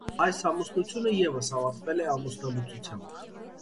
Այս ամուսնությունը ևս ավարտվել է ամուսնալուծությամբ։